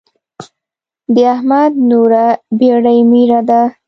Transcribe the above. د احمد نوره بېډۍ ميره ده.